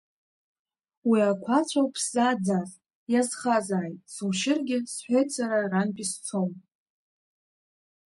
Уи ақәацә ауп сзааӡаз, иазхазааит, сушьыргьы, – сҳәеит, сара арантәи сцом.